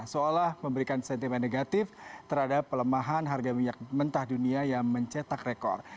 seolah memberikan sentimen negatif terhadap pelemahan harga minyak mentah dunia yang mencetak rekor